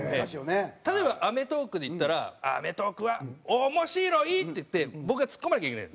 例えば『アメトーーク』でいったら「『アメトーーク』は面白い！」って言って僕がツッコまなきゃいけない。